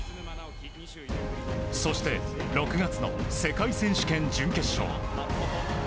そして、６月の世界選手権準決勝。